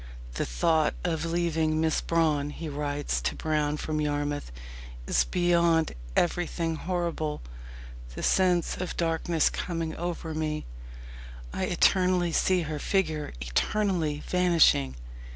"The thought of leaving Miss Brawne," he writes to Brown from Yarmouth, "is beyond everything horrible the sense of darkness coming over me I eternally see her figure eternally vanishing."